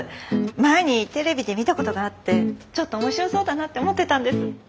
前にテレビで見たことがあってちょっと面白そうだなって思ってたんです。